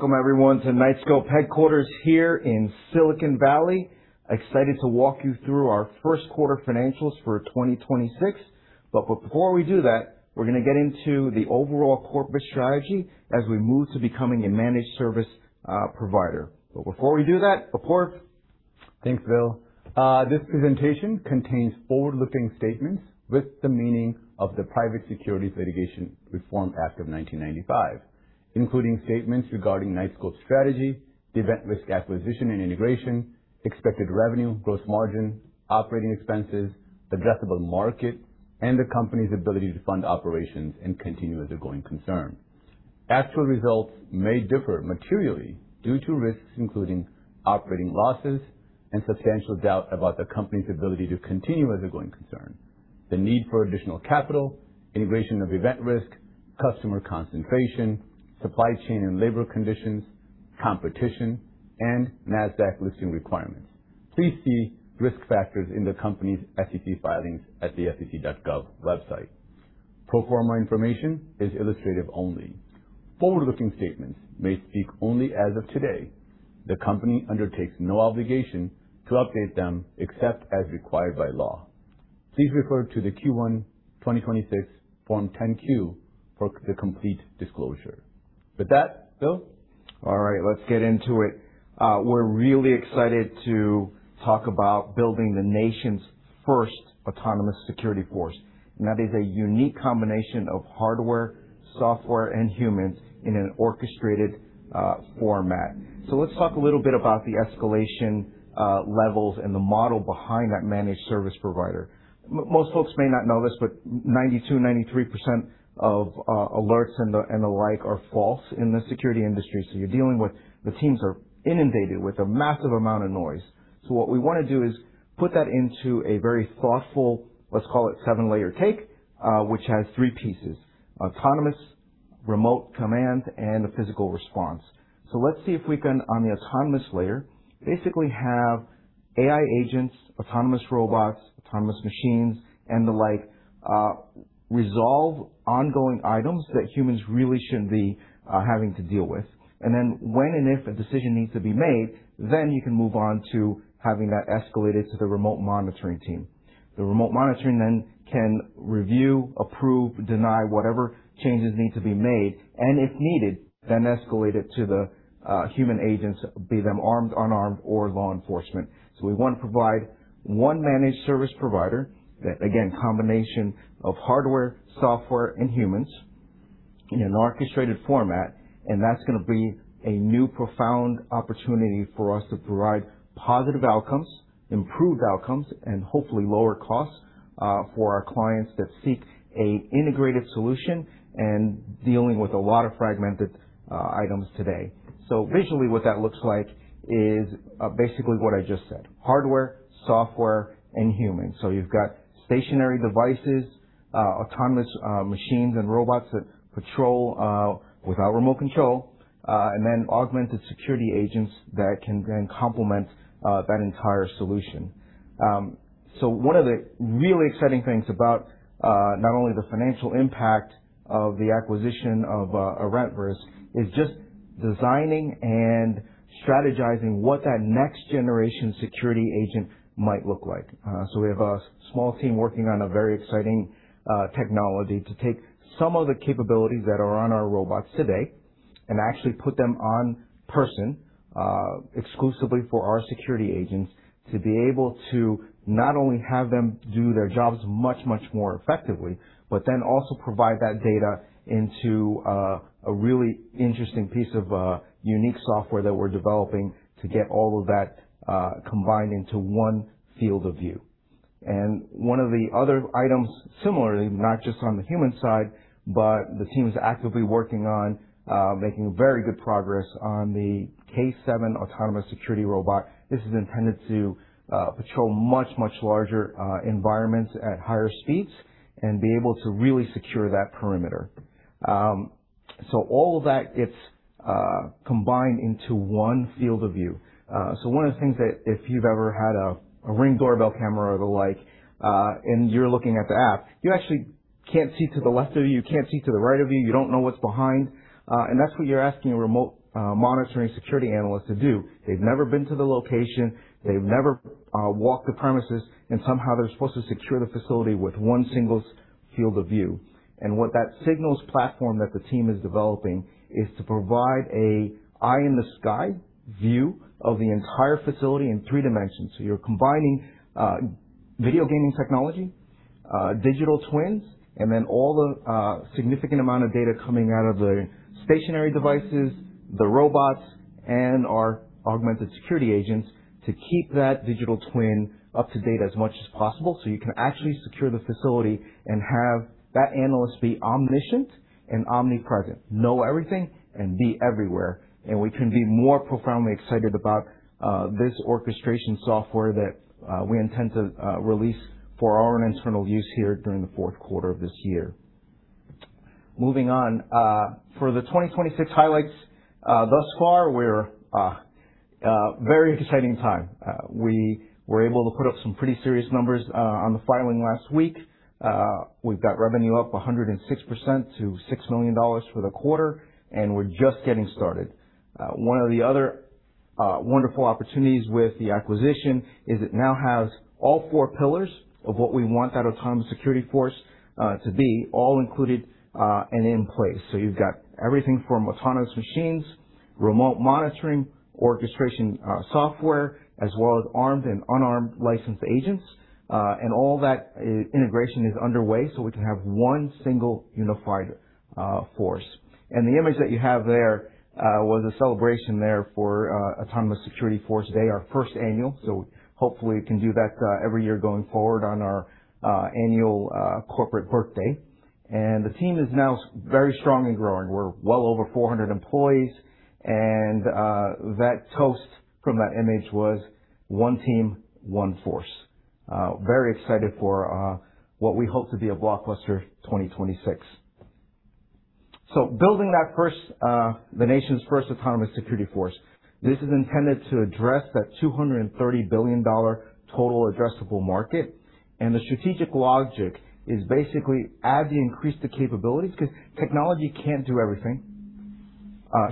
Welcome everyone to Knightscope headquarters here in Silicon Valley. Excited to walk you through our first quarter financials for 2026. Before we do that, we're gonna get into the overall corporate strategy as we move to becoming a managed service provider. Before we do that, Shakur. Thanks, Bill. This presentation contains forward-looking statements with the meaning of the Private Securities Litigation Reform Act of 1995, including statements regarding Knightscope's strategy, the Event Risk acquisition and integration, expected revenue, gross margin, operating expenses, addressable market, and the company's ability to fund operations and continue as a going concern. Actual results may differ materially due to risks including operating losses and substantial doubt about the company's ability to continue as a going concern, the need for additional capital, integration of Event Risk, customer concentration, supply chain and labor conditions, competition, and Nasdaq listing requirements. Please see risk factors in the company's SEC filings at the sec.gov website. Pro forma information is illustrative only. Forward-looking statements may speak only as of today. The company undertakes no obligation to update them except as required by law. Please refer to the Q1 2026 Form 10-Q for the complete disclosure. With that, Bill? All right, let's get into it. We're really excited to talk about building the nation's first Autonomous Security Force, and that is a unique combination of hardware, software, and humans in an orchestrated format. Let's talk a little bit about the escalation levels and the model behind that managed service provider. Most folks may not know this, but 92%, 93% of alerts and the like are false in the security industry. You're dealing with. The teams are inundated with a massive amount of noise. What we wanna do is put that into a very thoughtful, let's call it seven-layer cake, which has three pieces: autonomous, remote command, and the physical response. Let's see if we can, on the autonomous layer, basically have AI agents, autonomous robots, autonomous machines, and the like, resolve ongoing items that humans really shouldn't be having to deal with. When and if a decision needs to be made, then you can move on to having that escalated to the remote monitoring team. The remote monitoring then can review, approve, deny whatever changes need to be made, and if needed, then escalate it to the human agents, be them armed, unarmed, or law enforcement. We wanna provide one managed service provider that, again, combination of hardware, software, and humans in an orchestrated format, and that's gonna be a new profound opportunity for us to provide positive outcomes, improved outcomes, and hopefully lower costs for our clients that seek a integrated solution and dealing with a lot of fragmented items today. Visually what that looks like is, basically what I just said, hardware, software, and humans. You've got stationary devices, autonomous machines and robots that patrol without remote control, and then augmented security agents that can then complement that entire solution. One of the really exciting things about not only the financial impact of the acquisition of Event Risk is just designing and strategizing what that next generation security agent might look like. We have a small team working on a very exciting technology to take some of the capabilities that are on our robots today and actually put them on person exclusively for our security agents to be able to not only have them do their jobs much, much more effectively, also provide that data into a really interesting piece of unique software that we're developing to get all of that combined into one field of view. One of the other items similarly, not just on the human side, the team's actively working on making very good progress on the K7 autonomous security robot. This is intended to patrol much, much larger environments at higher speeds and be able to really secure that perimeter. All of that gets combined into one field of view. One of the things that if you've ever had a Ring doorbell camera or the like, and you're looking at the app, you actually can't see to the left of you can't see to the right of you don't know what's behind. That's what you're asking a remote monitoring security analyst to do. They've never been to the location. They've never walked the premises, and somehow they're supposed to secure the facility with one single field of view. What that Signals platform that the team is developing is to provide a eye in the sky view of the entire facility in three dimensions. You're combining video gaming technology, digital twins, and then all the significant amount of data coming out of the stationary devices, the robots, and our augmented security agents to keep that digital twin up to date as much as possible, so you can actually secure the facility and have that analyst be omniscient and omnipresent, know everything and be everywhere. We couldn't be more profoundly excited about this orchestration software that we intend to release for our own internal use here during the fourth quarter of this year. Moving on. For the 2026 highlights, thus far we're very exciting time. We were able to put up some pretty serious numbers on the filing last week. We've got revenue up 106% to $6 million for the quarter, and we're just getting started. One of the other wonderful opportunities with the acquisition is it now has all four pillars of what we want that Autonomous Security Force to be all included and in place. You've got everything from autonomous machines, remote monitoring, orchestration, software, as well as armed and unarmed licensed agents. All that integration is underway, so we can have one single unified force. The image that you have there was a celebration there for Autonomous Security Force Day, our first annual. Hopefully we can do that every year going forward on our annual corporate birthday. The team is now very strong and growing. We're well over 400 employees. That toast from that image was, "One team, one force." Very excited for what we hope to be a blockbuster 2026. Building that first, the nation's first Autonomous Security Force. This is intended to address that $230 billion total addressable market. The strategic logic is basically, as you increase the capabilities, 'cause technology can't do everything,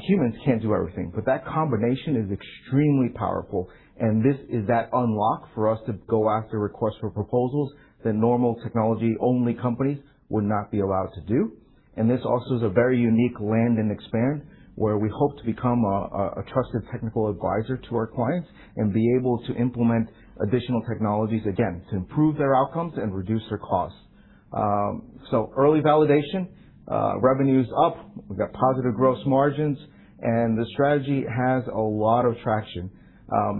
humans can't do everything, but that combination is extremely powerful. This is that unlock for us to go after requests for proposals that normal technology-only companies would not be allowed to do. This also is a very unique land and expand, where we hope to become a trusted technical advisor to our clients and be able to implement additional technologies, again, to improve their outcomes and reduce their costs. Early validation, revenue's up. We've got positive gross margins, and the strategy has a lot of traction.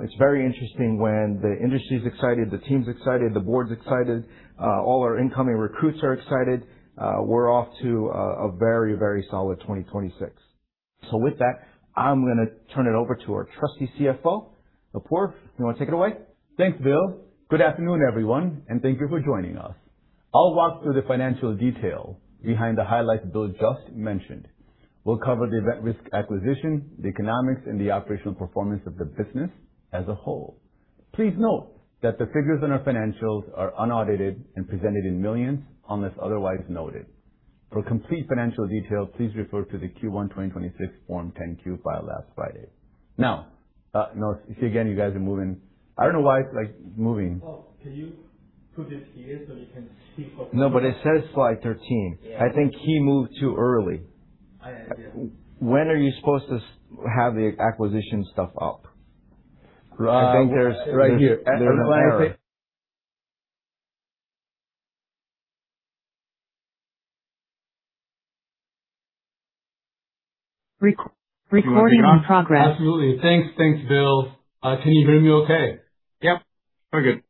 It's very interesting when the industry's excited, the team's excited, the board's excited, all our incoming recruits are excited. We're off to a very solid 2026. With that, I'm gonna turn it over to our trusty CFO. Apoorv, you wanna take it away? Thanks, Bill. Good afternoon, everyone, and thank you for joining us. I'll walk through the financial detail behind the highlights Bill just mentioned. We'll cover the Event Risk acquisition, the economics, and the operational performance of the business as a whole. Please note that the figures in our financials are unaudited and presented in millions, unless otherwise noted. For complete financial details, please refer to the Q1 2026 Form 10-Q filed last Friday. No, see again, you guys are moving. I don't know why it's, like, moving. Oh, can you put it here so we can see. No, it says slide 13. Yeah. I think he moved too early. I hear you. When are you supposed to have the acquisition stuff up? I think there's. Right here. There's an error. Recording in progress. Absolutely. Thanks. Thanks, Bill. Can you hear me okay? Yep. Very good.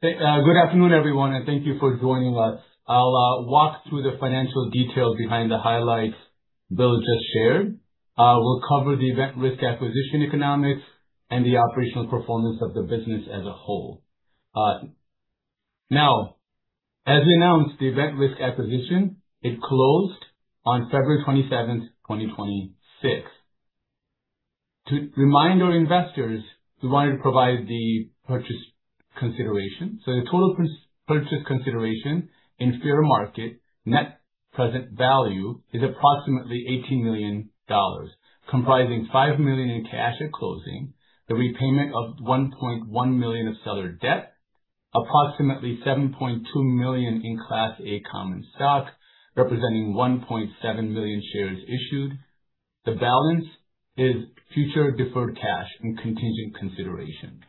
Good afternoon, everyone, and thank you for joining us. I'll walk through the financial details behind the highlights Bill just shared. We'll cover the Event Risk acquisition economics and the operational performance of the business as a whole. Now, as we announced the Event Risk acquisition, it closed on February 27th, 2026. To remind our investors, we wanted to provide the purchase consideration. The total purchase consideration in fair market net present value is approximately $18 million, comprising $5 million in cash at closing, the repayment of $1.1 million of seller debt, approximately $7.2 million in Class A common stock, representing 1.7 million shares issued. The balance is future deferred cash and contingent consideration.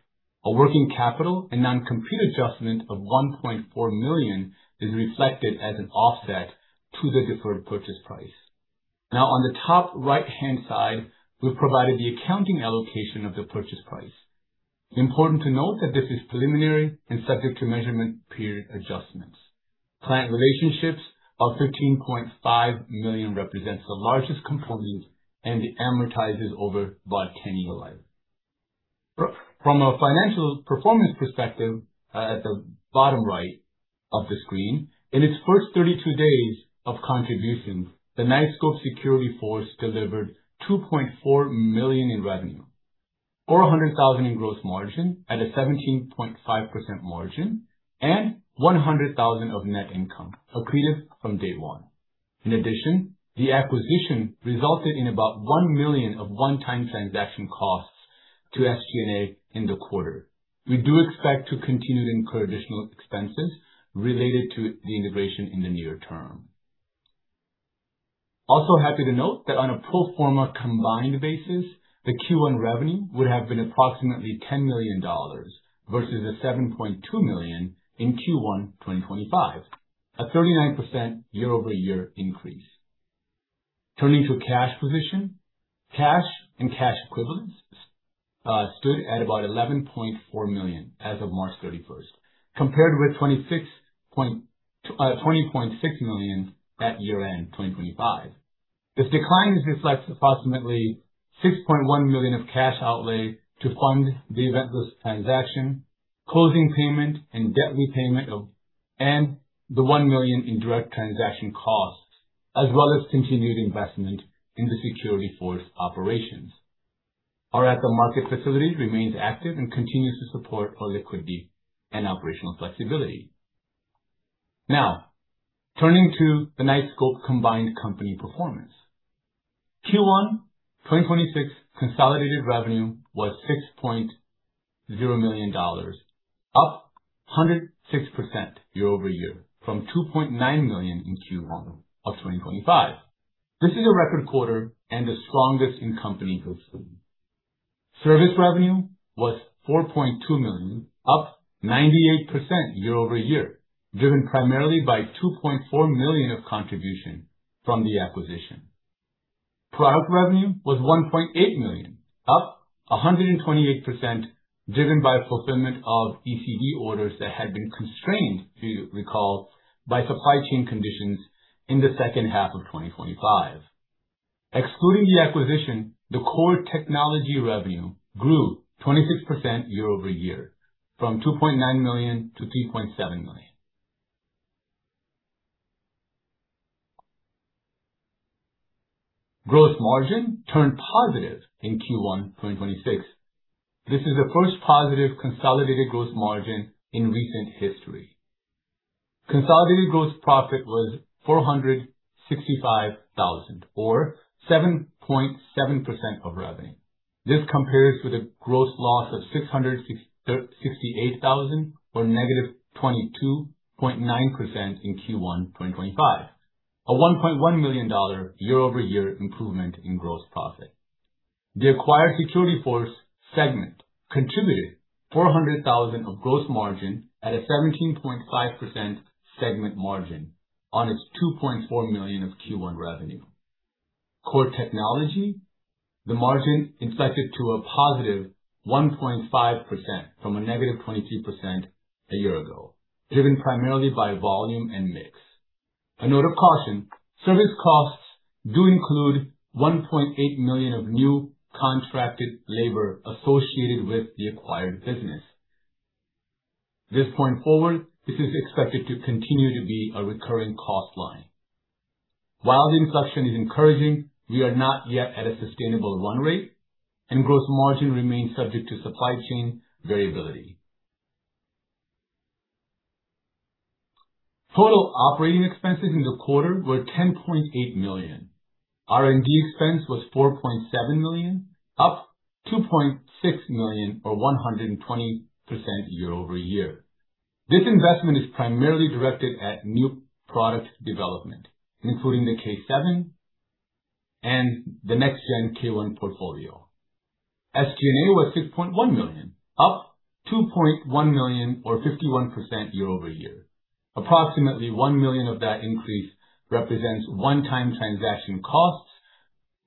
A working capital and non-compete adjustment of $1.4 million is reflected as an offset to the deferred purchase price. On the top right-hand side, we've provided the accounting allocation of the purchase price. Important to note that this is preliminary and subject to measurement period adjustments. Client relationships of $13.5 million represents the largest component and it amortizes over about 10-year life. From a financial performance perspective, at the bottom right of the screen, in its first 32 days of contribution, the Knightscope Autonomous Security Force delivered $2.4 million in revenue, $400,000 in gross margin at a 17.5% margin, and $100,000 of net income accretive from day one. In addition, the acquisition resulted in about $1 million of one-time transaction costs to SG&A in the quarter. We do expect to continue to incur additional expenses related to the integration in the near term. Also happy to note that on a pro forma combined basis, the Q1 revenue would have been approximately $10 million versus the $7.2 million in Q1 2025, a 39% year-over-year increase. Turning to cash position. Cash and cash equivalents stood at about $11.4 million as of March 31st, compared with $20.6 million at year-end 2025. This decline reflects approximately $6.1 million of cash outlay to fund the Event Risk transaction, closing payment, and debt repayment of and the $1 million in direct transaction costs. As well as continued investment in the Autonomous Security Force operations. Our at-the-market facilities remains active and continues to support our liquidity and operational flexibility. Turning to the Knightscope combined company performance. Q1 2026 consolidated revenue was $6.0 million, up 106% year-over-year from $2.9 million in Q1 of 2025. This is a record quarter and the strongest in company history. Service revenue was $4.2 million, up 98% year-over-year, driven primarily by $2.4 million of contribution from the acquisition. Product revenue was $1.8 million, up 128%, driven by fulfillment of ECE orders that had been constrained, if you recall, by supply chain conditions in the second half of 2025. Excluding the acquisition, the core technology revenue grew 26% year-over-year from $2.9 million to $3.7 million. Gross margin turned positive in Q1 2026. This is the first positive consolidated gross margin in recent history. Consolidated gross profit was $465,000 or 7.7% of revenue. This compares with a gross loss of $668,000 or negative 22.9% in Q1 2025, a $1.1 million year-over-year improvement in gross profit. The acquired Security Force segment contributed $400,000 of gross margin at a 17.5% segment margin on its $2.4 million of Q1 revenue. Core Technology, the margin inflected to a positive 1.5% from a negative 22% a year ago, driven primarily by volume and mix. A note of caution, service costs do include $1.8 million of new contracted labor associated with the acquired business. This point forward, this is expected to continue to be a recurring cost line. While the inflection is encouraging, we are not yet at a sustainable run rate, and gross margin remains subject to supply chain variability. Total operating expenses in the quarter were $10.8 million. R&D expense was $4.7 million, up $2.6 million or 120% year-over-year. This investment is primarily directed at new product development, including the K7 and the Next Gen K1 portfolio. SG&A was $6.1 million, up $2.1 million or 51% year-over-year. Approximately $1 million of that increase represents one-time transaction costs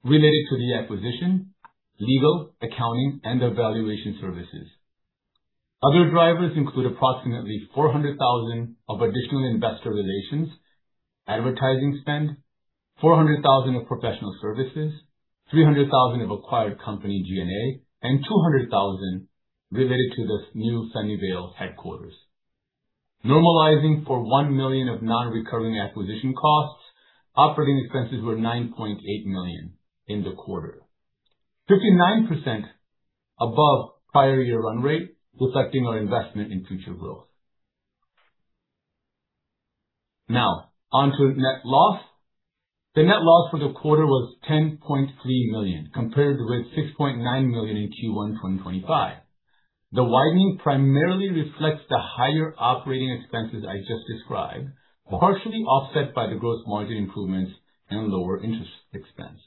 related to the acquisition, legal, accounting, and evaluation services. Other drivers include approximately $400,000 of additional investor relations, advertising spend, $400,000 of professional services, $300,000 of acquired company G&A, and $200,000 related to this new Sunnyvale headquarters. Normalizing for $1 million of non-recurring acquisition costs, operating expenses were $9.8 million in the quarter, 59% above prior-year run rate, reflecting our investment in future growth. Now on to net loss. The net loss for the quarter was $10.3 million, compared with $6.9 million in Q1 2025. The widening primarily reflects the higher operating expenses I just described, partially offset by the gross margin improvements and lower interest expense.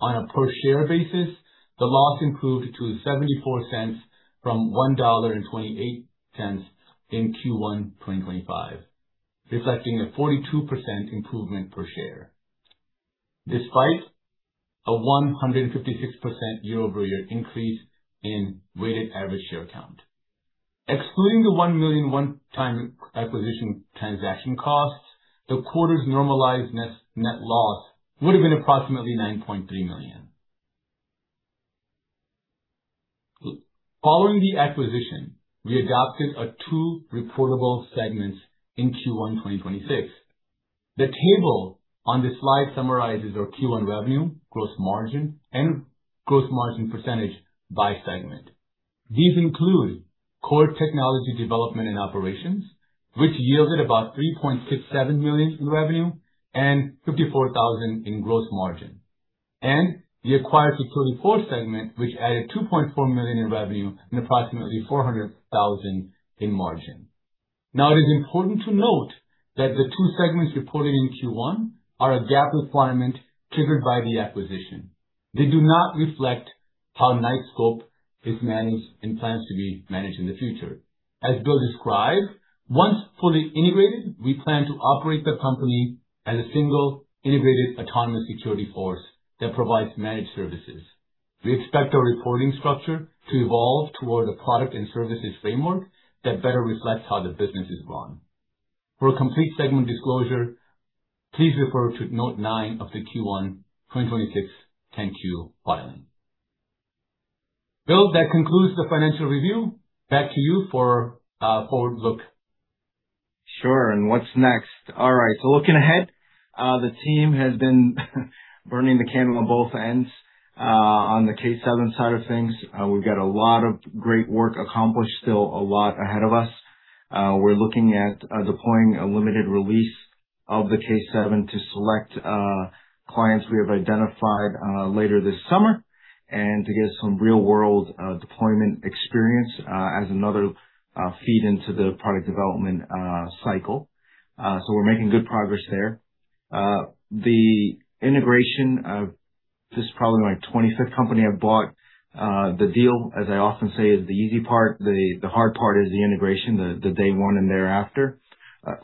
On a per share basis, the loss improved to $0.74 from $1.28 in Q1 2025, reflecting a 42% improvement per share. Despite a 156% year-over-year increase in weighted average share count. Excluding the $1 million one-time acquisition transaction costs, the quarter's normalized net loss would have been approximately $9.3 million. Following the acquisition, we adopted two reportable segments in Q1 2026. The table on this slide summarizes our Q1 revenue, gross margin, and gross margin % by segment. These include core technology development and operations, which yielded about $3.67 million in revenue and $54,000 in gross margin. The acquired Security Force segment, which added $2.4 million in revenue and approximately $400,000 in margin. Now, it is important to note that the two segments reported in Q1 are a GAAP requirement triggered by the acquisition. They do not reflect how Knightscope is managed and plans to be managed in the future. As Bill described, once fully integrated, we plan to operate the company as a single integrated Autonomous Security Force that provides managed services. We expect our reporting structure to evolve toward a product and services framework that better reflects how the business is run. For a complete segment disclosure, please refer to note nine of the Q1 2026 10-Q filing. Bill, that concludes the financial review. Back to you for forward look. Sure. What's next? Looking ahead, the team has been burning the candle on both ends. On the K7 side of things, we've got a lot of great work accomplished, still a lot ahead of us. We're looking at deploying a limited release of the K7 to select clients we have identified later this summer and to get some real-world deployment experience as another feed into the product development cycle. We're making good progress there. The integration of This is probably my 25th company I've bought. The deal, as I often say, is the easy part. The hard part is the integration, the day one and thereafter.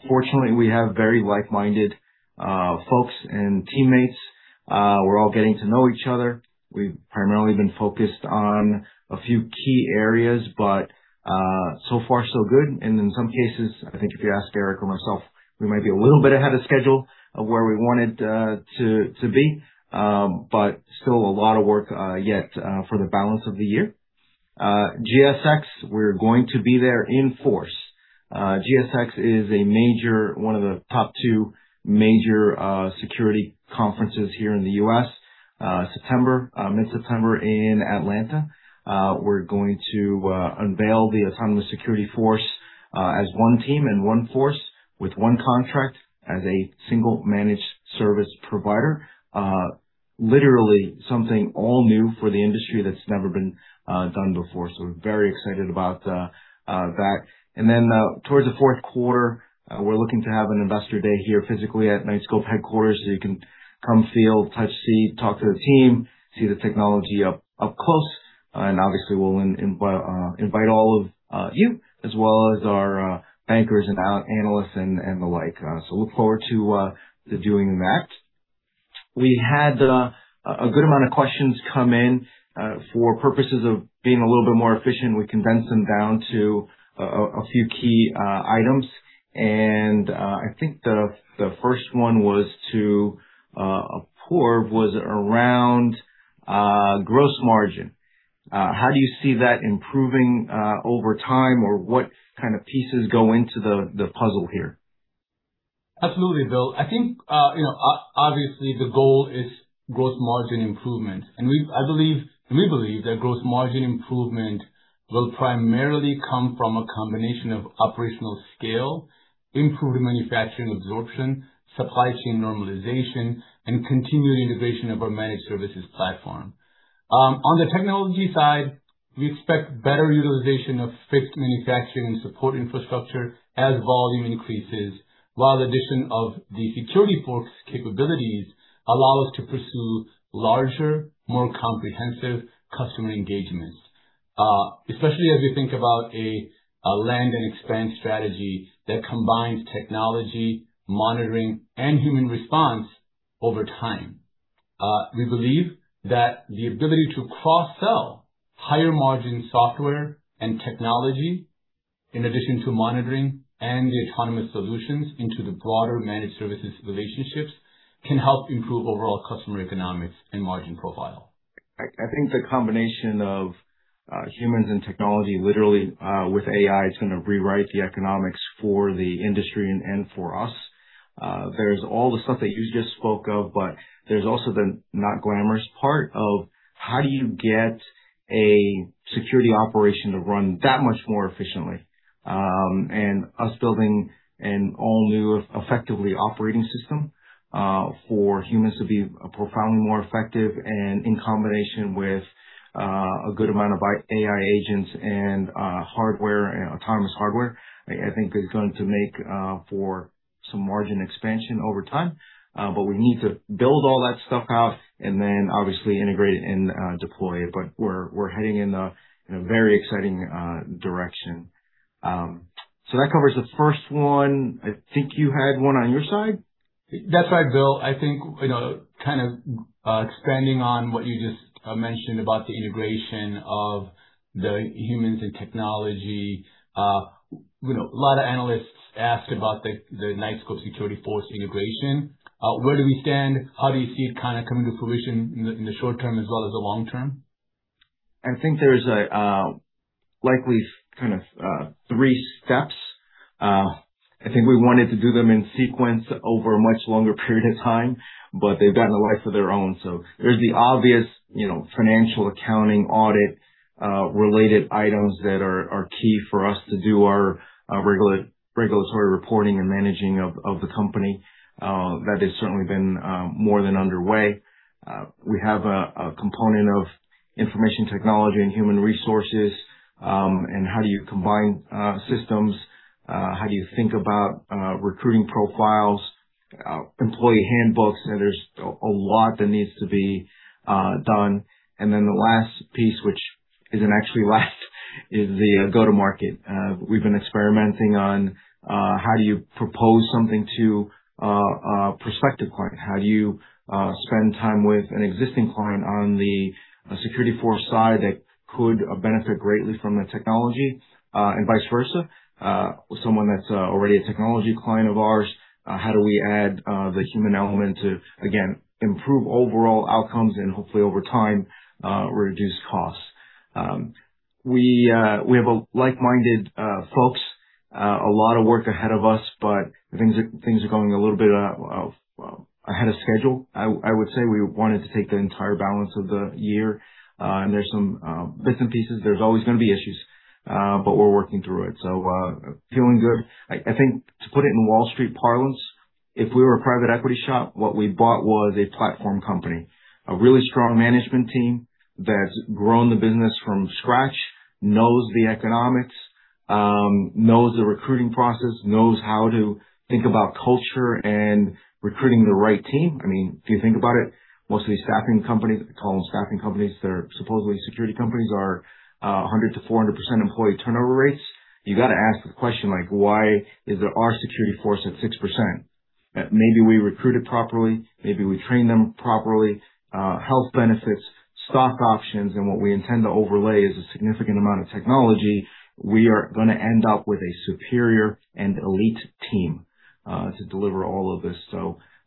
Fortunately, we have very like-minded folks and teammates. We're all getting to know each other. We've primarily been focused on a few key areas, but so far so good. In some cases, I think if you ask Eric or myself, we might be a little bit ahead of schedule of where we wanted to be. Still a lot of work yet for the balance of the year. GSX, we're going to be there in force. GSX is a major, one of the top two major security conferences here in the U.S. September, mid-September in Atlanta, we're going to unveil the Autonomous Security Force as one team and one force with one contract as a single managed service provider. Literally something all new for the industry that's never been done before. We're very excited about that. Towards the fourth quarter, we're looking to have an investor day here physically at Knightscope headquarters, so you can come feel, touch, see, talk to the team, see the technology up close. Obviously we'll invite all of you as well as our bankers and our analysts and the like. Look forward to doing that. We had a good amount of questions come in. For purposes of being a little bit more efficient, we condensed them down to a few key items. I think the first one was to Apoorv, was around gross margin. How do you see that improving over time? What kind of pieces go into the puzzle here? Absolutely, Bill. I think, you know, obviously the goal is gross margin improvement. We've, I believe, we believe that gross margin improvement will primarily come from a combination of operational scale, improved manufacturing absorption, supply chain normalization, and continued integration of our managed services platform. On the technology side, we expect better utilization of fixed manufacturing and support infrastructure as volume increases, while addition of the security force capabilities allow us to pursue larger, more comprehensive customer engagements, especially as we think about a land and expand strategy that combines technology, monitoring, and human response over time. We believe that the ability to cross-sell higher margin software and technology in addition to monitoring and the autonomous solutions into the broader managed services relationships can help improve overall customer economics and margin profile. I think the combination of humans and technology, literally, with AI, it's gonna rewrite the economics for the industry and for us. There's all the stuff that you just spoke of, but there's also the not glamorous part of how do you get a security operation to run that much more efficiently. Us building an all-new effectively operating system for humans to be profoundly more effective and in combination with a good amount of AI agents and hardware and autonomous hardware, I think is going to make for some margin expansion over time. We need to build all that stuff out and then obviously integrate and deploy it. We're heading in a very exciting direction. That covers the first one. I think you had one on your side. That's right, Bill. I think, you know, kind of expanding on what you just mentioned about the integration of the humans and technology. You know, a lot of analysts ask about the Knightscope security force integration. Where do we stand? How do you see it kind of coming to fruition in the short term as well as the long term? I think there's a likely three steps. I think we wanted to do them in sequence over a much longer period of time, they've gotten a life of their own. There's the obvious, you know, financial accounting, audit related items that are key for us to do our regulatory reporting and managing of the company. That has certainly been more than underway. We have a component of information technology and human resources, and how do you combine systems, how do you think about recruiting profiles, employee handbooks. You know, there's a lot that needs to be done. The last piece, which isn't actually last, is the go-to-market. We've been experimenting on how do you propose something to a prospective client? How do you spend time with an existing client on the Autonomous Security Force side that could benefit greatly from the technology, and vice versa? With someone that's already a technology client of ours, how do we add the human element to, again, improve overall outcomes and hopefully over time, reduce costs? We have a like-minded folks, a lot of work ahead of us, but things are, things are going a little bit ahead of schedule. We wanted to take the entire balance of the year. There's some bits and pieces. There's always gonna be issues, we're working through it. Feeling good. I think to put it in Wall Street parlance, if we were a private equity shop, what we bought was a platform company. A really strong management team that's grown the business from scratch, knows the economics, knows the recruiting process, knows how to think about culture and recruiting the right team. I mean, if you think about it, most of these staffing companies, they call them staffing companies, they're supposedly security companies, are 100%-400% employee turnover rates. You gotta ask the question, like, why is our security force at 6%? Maybe we recruit it properly, maybe we train them properly. Health benefits, stock options, and what we intend to overlay is a significant amount of technology. We are gonna end up with a superior and elite team to deliver all of this.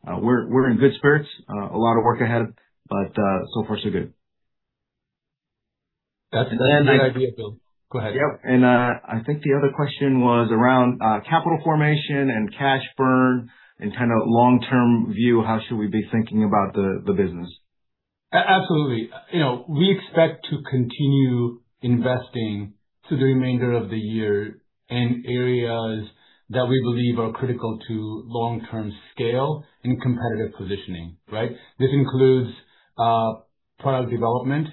We're in good spirits. A lot of work ahead, but so far, so good. That's a good idea, Bill. Go ahead. Yep. I think the other question was around capital formation and cash burn and kind of long-term view, how should we be thinking about the business? Absolutely. You know, we expect to continue investing through the remainder of the year in areas that we believe are critical to long-term scale and competitive positioning, right? This includes product development,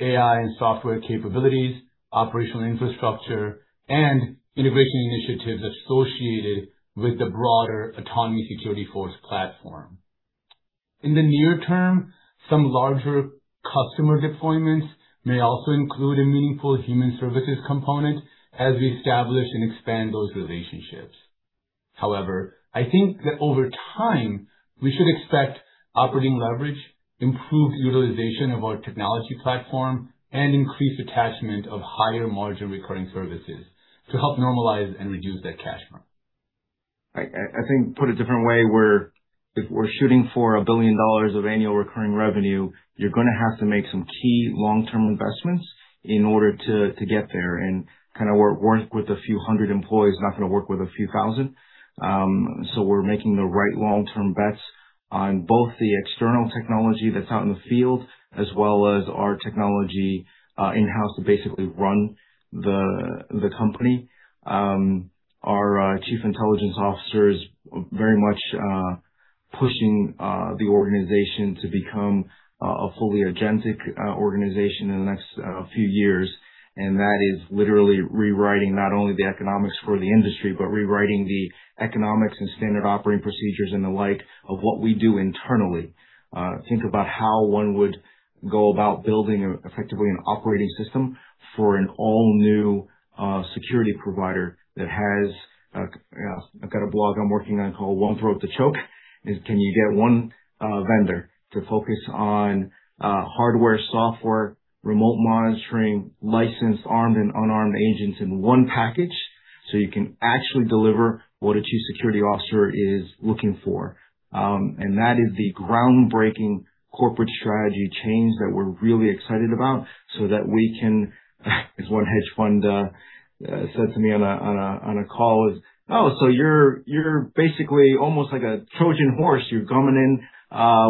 AI and software capabilities, operational infrastructure, and innovation initiatives associated with the broader Autonomous Security Force platform. In the near term, some larger customer deployments may also include a meaningful human services component as we establish and expand those relationships. However, I think that over time, we should expect operating leverage, improved utilization of our technology platform, and increased attachment of higher margin recurring services to help normalize and reduce that cash burn. I think put a different way, we're if we're shooting for $1 billion of annual recurring revenue, you're gonna have to make some key long-term investments in order to get there and kinda work with a few hundred employees, not gonna work with a few thousand. We're making the right long-term bets on both the external technology that's out in the field, as well as our technology in-house to basically run the company. Our Chief Intelligence Officer is very much pushing the organization to become a fully agentic organization in the next few years. That is literally rewriting not only the economics for the industry, but rewriting the economics and standard operating procedures and the like of what we do internally. Think about how one would go about building effectively an operating system for an all-new security provider that has I've got a blog I'm working on called One Throat to Choke. Can you get one vendor to focus on hardware, software, remote monitoring, licensed, armed and unarmed agents in one package so you can actually deliver what a Chief Security Officer is looking for? That is the groundbreaking corporate strategy change that we're really excited about so that we can As one hedge fund said to me on a call is, "Oh, so you're basically almost like a Trojan horse. You're coming in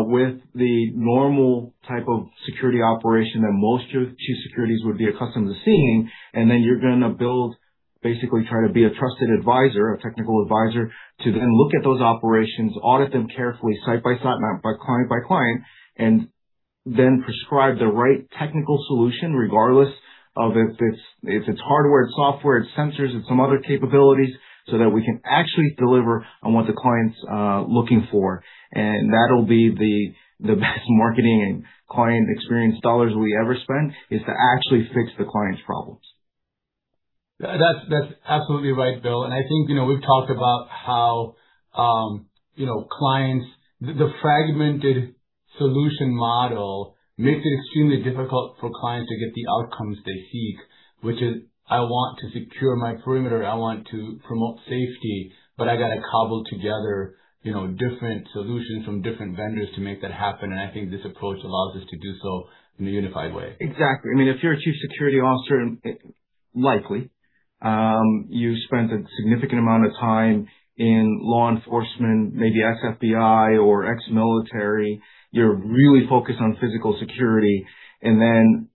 with the normal type of security operation that most chief securities would be accustomed to seeing, and then you're gonna build, basically try to be a trusted advisor, a technical advisor, to then look at those operations, audit them carefully, site by site, client by client, and then prescribe the right technical solution regardless of if it's, if it's hardware, software, it's sensors, it's some other capabilities, so that we can actually deliver on what the client's looking for. And that'll be the best marketing and client experience dollars we ever spent, is to actually fix the client's problems. That's absolutely right, Bill. I think, you know, we've talked about how, you know, the fragmented solution model makes it extremely difficult for clients to get the outcomes they seek, which is, I want to secure my perimeter, I want to promote safety, but I gotta cobble together, you know, different solutions from different vendors to make that happen. I think this approach allows us to do so in a unified way. Exactly. I mean, if you're a chief security officer, likely, you spent a significant amount of time in law enforcement, maybe ex-FBI or ex-military. You're really focused on physical security. One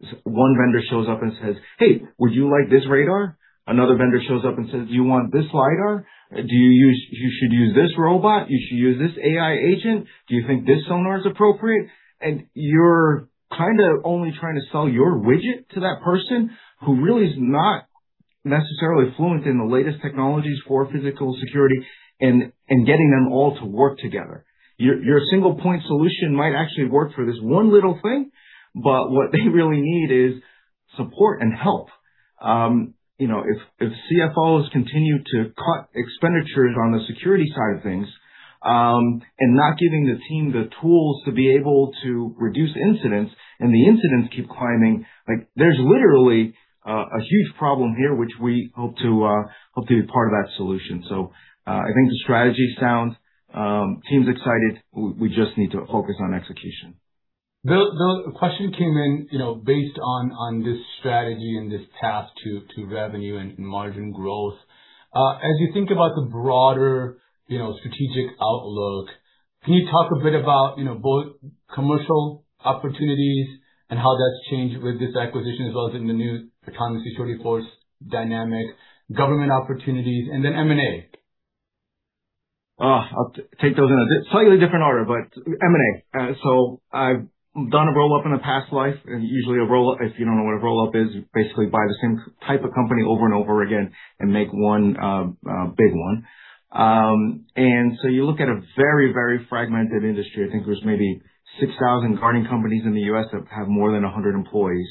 vendor shows up and says, "Hey, would you like this radar?" Another vendor shows up and says, "Do you want this lidar? You should use this robot. You should use this AI agent. Do you think this sonar is appropriate?" You're kind of only trying to sell your widget to that person who really is not necessarily fluent in the latest technologies for physical security and getting them all to work together. Your single point solution might actually work for this one little thing, but what they really need is support and help. You know, if CFOs continue to cut expenditures on the security side of things, and not giving the team the tools to be able to reduce incidents, and the incidents keep climbing, like, there's literally a huge problem here which we hope to be a part of that solution. I think the strategy sounds, teams excited. We just need to focus on execution. The question came in, you know, based on this strategy and this path to revenue and margin growth. As you think about the broader, you know, strategic outlook, can you talk a bit about, you know, both commercial opportunities and how that's changed with this acquisition, as well as in the new economy security force dynamic government opportunities and then M&A? I'll take those in a slightly different order, but M&A. I've done a roll-up in a past life, and usually a roll-up, if you don't know what a roll-up is, you basically buy the same type of company over and over again and make one, big one. You look at a very, very fragmented industry. I think there's maybe 6,000 guarding companies in the U.S. that have more than 100 employees.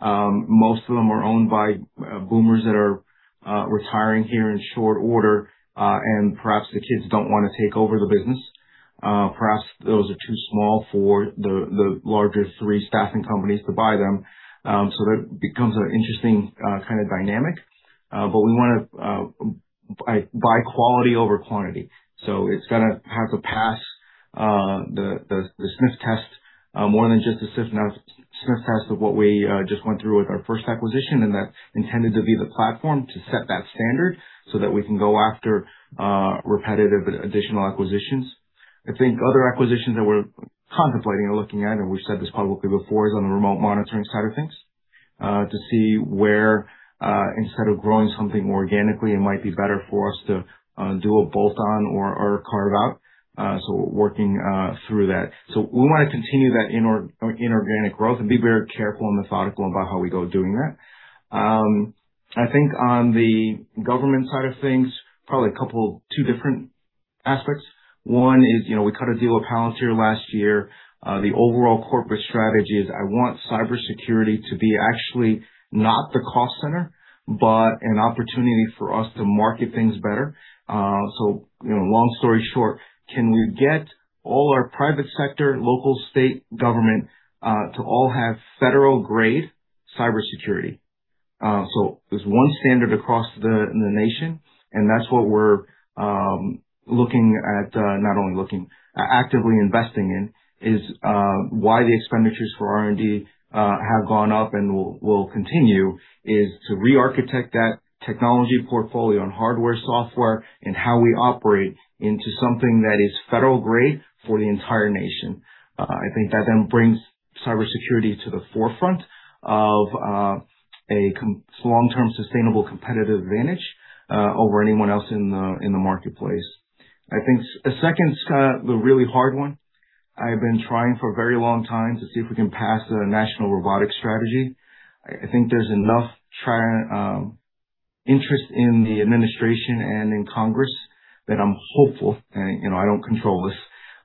Most of them are owned by boomers that are retiring here in short order. Perhaps the kids don't wanna take over the business. Perhaps those are too small for the larger three staffing companies to buy them. That becomes an interesting, kind of dynamic. We wanna buy quality over quantity. It's gonna have to pass the sniff test, more than just the sniff test of what we just went through with our first acquisition and that's intended to be the platform to set that standard so that we can go after repetitive additional acquisitions. I think other acquisitions that we're contemplating or looking at, and we've said this publicly before, is on the remote monitoring side of things, to see where, instead of growing something organically, it might be better for us to do a bolt-on or a carve-out. Working through that. We wanna continue that inorganic growth and be very careful and methodical about how we go doing that. I think on the government side of things, probably a couple two different aspects. One is, you know, we cut a deal with Palantir last year. The overall corporate strategy is I want cybersecurity to be actually not the cost center, but an opportunity for us to market things better. You know, long story short, can we get all our private sector, local state government, to all have federal-grade cybersecurity? There's one standard across the nation, and that's what we're looking at, not only looking, actively investing in is why the expenditures for R&D have gone up and will continue is to re-architect that technology portfolio on hardware, software, and how we operate into something that is federal-grade for the entire nation. I think that brings cybersecurity to the forefront of a long-term sustainable competitive advantage over anyone else in the marketplace. I think a second's the really hard one. I've been trying for a very long time to see if we can pass a national robotics strategy. I think there's enough interest in the administration and in Congress that I'm hopeful, you know, I don't control this.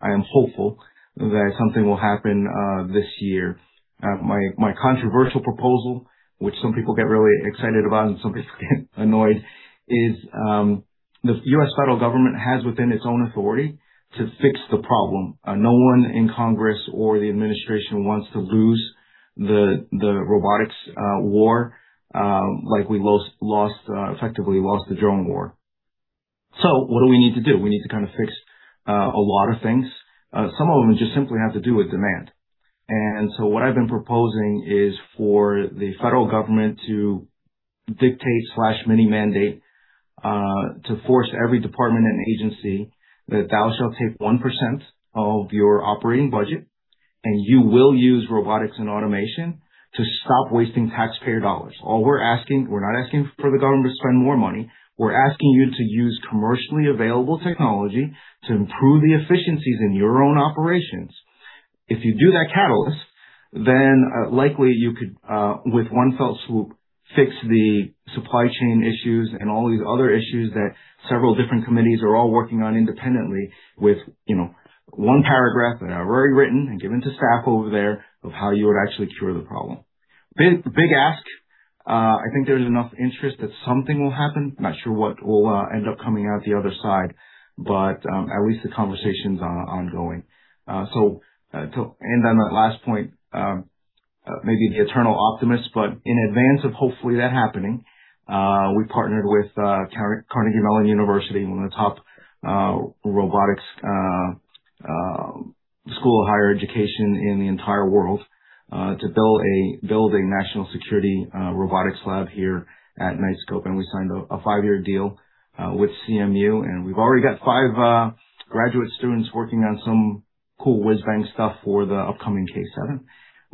I am hopeful that something will happen this year. My controversial proposal, which some people get really excited about and some people get annoyed, is the U.S. federal government has within its own authority to fix the problem. No one in Congress or the administration wants to lose the robotics war, like we lost effectively lost the drone war. What do we need to do? We need to kind of fix a lot of things. Some of them just simply have to do with demand. What I've been proposing is for the federal government to dictate/mini mandate to force every department and agency that thou shall take 1% of your operating budget, and you will use robotics and automation to stop wasting taxpayer dollars. All we're asking, we're not asking for the government to spend more money. We're asking you to use commercially available technology to improve the efficiencies in your own operations. If you do that catalyst, likely you could with one fell swoop, fix the supply chain issues and all these other issues that several different committees are all working on independently with, you know, one paragraph that I've already written and given to staff over there of how you would actually cure the problem. Big, big ask. I think there's enough interest that something will happen. Not sure what will end up coming out the other side. At least the conversations are ongoing. To end on that last point, maybe the eternal optimist, in advance of hopefully that happening, we partnered with Carnegie Mellon University, one of the top robotics school of higher education in the entire world, to build a national security robotics lab here at Knightscope. We signed a five-year deal with CMU, and we've already got five graduate students working on some cool whiz-bang stuff for the upcoming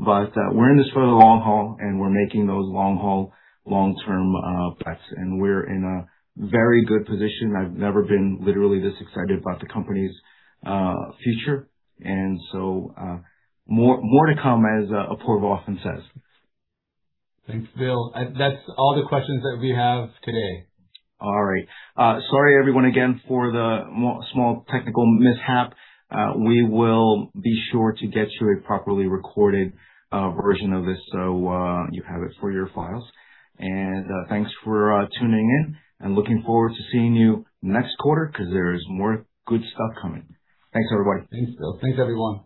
K7. We're in this for the long haul, and we're making those long-term bets. We're in a very good position. I've never been literally this excited about the company's future. More to come, as Apoorv often says. Thanks, Bill. That's all the questions that we have today. All right. Sorry, everyone, again, for the small technical mishap. We will be sure to get you a properly recorded version of this, so you have it for your files. Thanks for tuning in, and looking forward to seeing you next quarter 'cause there is more good stuff coming. Thanks, everybody. Thanks, Bill. Thanks, everyone.